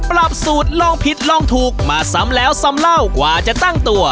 ปรับสูตรลองผิดลองถูกมาซ้ำแล้วซ้ำเล่ากว่าจะตั้งตัว